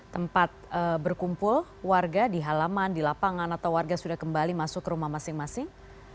tempat berkumpul warga di halaman di lapangan atau warga sudah kembali masuk ke rumah masing masing